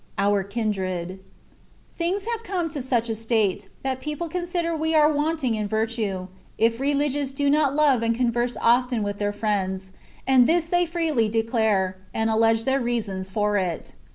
our kindred. Things have come to such a state, that people consider we are wanting in virtue, if Rehgious do not love and converse often with their friends, and this they freely de clare, and allege their reasons for it.